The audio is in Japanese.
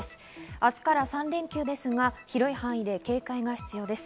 明日から３連休ですが、広い範囲で警戒が必要です。